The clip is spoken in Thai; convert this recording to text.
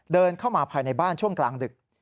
เดินเข้ามาภายในบ้านช่วงกลางดึก